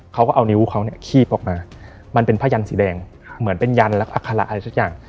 เขาก็เอานิ้วเขาเนี่ยคีบออกมามันเป็นผ้ายันสีแดงเหมือนเป็นยันและอัคระอะไรสักอย่าง